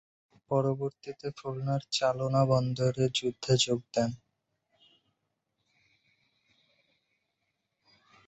পরবর্তীতে খুলনার চালনা বন্দরে যুদ্ধে যোগ দেন।